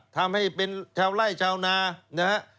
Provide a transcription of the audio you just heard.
ทำให้เป็นชาวไล่ชาวนานะฮะ